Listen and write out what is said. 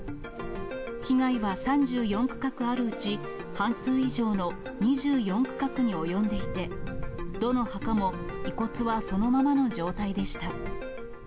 被害は３４区画あるうち、半数以上の２４区画に及んでいて、どの墓も遺骨はそのままの状態でした。